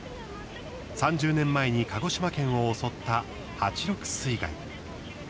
３０年前に鹿児島県を襲った８・６水害。